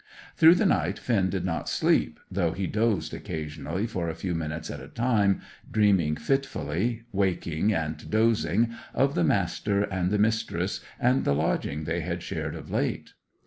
Through the night Finn did not sleep, though he dozed occasionally for a few minutes at a time, dreaming fitfully, waking and dozing, of the Master and the Mistress, and the lodging they had shared of late.